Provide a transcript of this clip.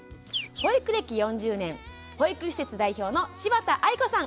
保育暦４０年保育施設代表の柴田愛子さん。